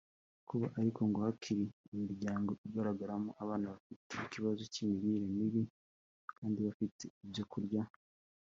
Kuba ariko ngo hakiri imiryango igaragaramo abana bafite ikibazo cy’imirire mibi kandi bafite ibyo kurya